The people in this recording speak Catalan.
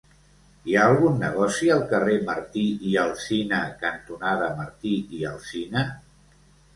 Hi ha algun negoci al carrer Martí i Alsina cantonada Martí i Alsina?